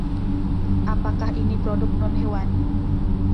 Apakah ini produk non-hewani?